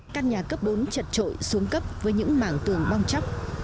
căn nhà cấp bốn chật trội xuống cấp với những mảng tường bong chóc